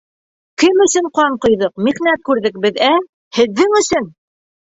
Кем өсөн ҡан ҡойҙоҡ, михнәт күрҙек беҙ, ә? һеҙҙең өсөн!